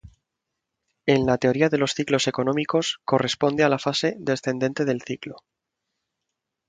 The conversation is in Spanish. En la teoría de los ciclos económicos, corresponde a la fase descendente del ciclo.